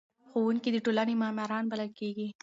ښوونکي د ټولنې معماران بلل کیږي.